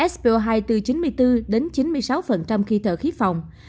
so hai từ chín mươi bốn đến chín mươi sáu khi thở khí phòng